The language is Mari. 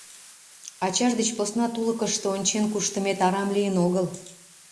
Ачаж деч посна тулыкышто ончен куштымет арам лийын огыл.